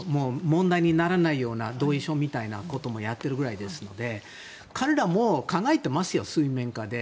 問題にならないような同意書みたいなこともやっていますので彼らも考えてますよ、水面下で。